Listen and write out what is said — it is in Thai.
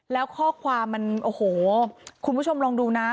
แล้วข้อความมันโอ้โหคุณผู้ชมลองดูนะ